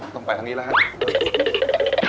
ต้องไปทางนี้แล้วฮะ